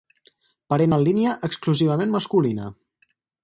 Parent en línia exclusivament masculina.